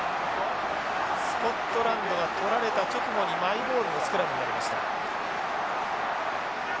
スコットランドが捕られた直後にマイボールのスクラムになりました。